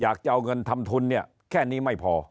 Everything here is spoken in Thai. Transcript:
จะเอาเงินทำทุนเนี่ยแค่นี้ไม่พอ